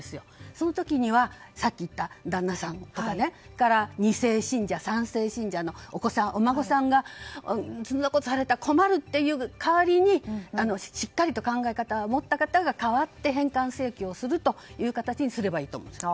その時にはさっき言った旦那さんや２世信者、３世信者のお子さん、お孫さんがそんなことをされたら困るっていう代わりにしっかり考え方が持った方が代わって返還請求をするという形にすればいいと思います。